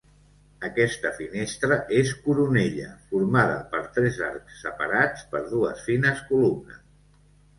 Aquesta finestra és coronella formada per tres arcs separats per dues fines columnes.